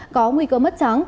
có nguy cơ mất trắng